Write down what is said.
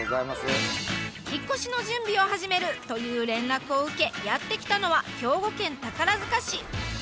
「引っ越しの準備を始める！」という連絡を受けやって来たのは兵庫県宝塚市。